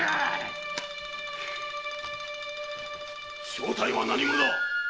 正体は何者だ。